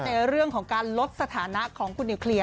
ในเรื่องของการลดสถานะของคุณนิวเคลียร์